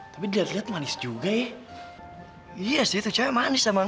tapi diliat liat manis juga ya iya sih tuh cewek manis emang